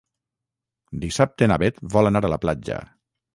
Dissabte na Bet vol anar a la platja.